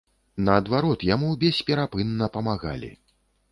Наадварот, яму бесперапынна памагалі.